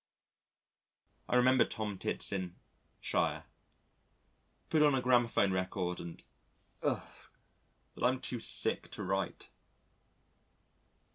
I remember Tomtits in shire. Put on a gramophone record and ugh! but I'm too sick to write.